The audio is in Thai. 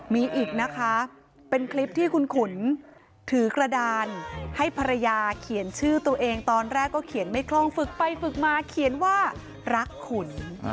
มีอีกคลิปที่คุณขุนถือกระดานให้ภรรยาเขียนชื่อตัวเองตอนแรกเขียนไม่ครองฝึกไปฝึกมากานี้ก็เขียนแล้วว่ารักขุน